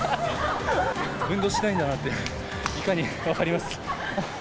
運動してないんだなって、いかに、分かります。